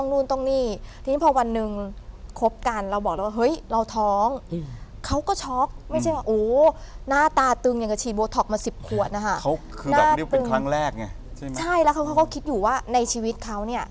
อเรนนี่พอวันนึงครบกันเราบอกแล้วว่าเห้ยเราท้อง